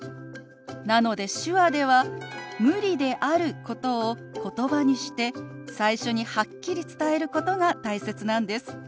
なので手話では「無理」であることを言葉にして最初にはっきり伝えることが大切なんです。